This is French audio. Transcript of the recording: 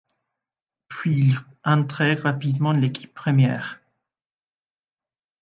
Puis il intègre rapidement l'équipe première.